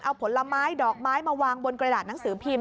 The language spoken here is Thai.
เอาผลไม้ดอกไม้มาวางบนกระดาษหนังสือพิมพ์